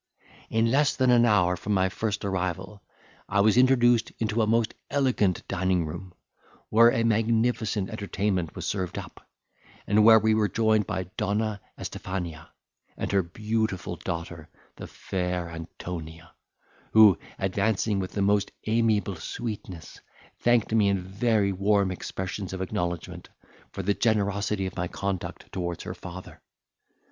In less than an hour from my first arrival, I was introduced into a most elegant dining room, where a magnificent entertainment was served up, and where we were joined by Donna Estifania, and her beautiful daughter the fair Antonia, who, advancing with the most amiable sweetness, thanked me in very warm expressions of acknowledgment, for the generosity of my conduct towards her father.